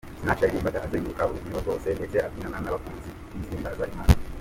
Sinach yaririmbaga azenguruka urubyiniro rwose ndetse abyinana n’abakunzi b’izihimbaza Imana.